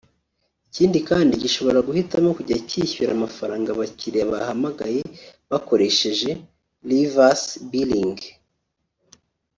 Ikigo kandi gishobora guhitamo kujya kishyura amafaranga abakiliya bahamagaye bakoresheje (reverse billing)